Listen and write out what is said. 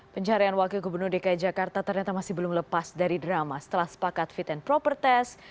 pencarian wakil gubernur dki jakarta ternyata masih belum lepas dari drama setelah sepakat fit and proper test